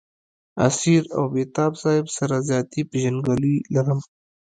اسیر او بېتاب صاحب سره ذاتي پېژندګلوي لرم.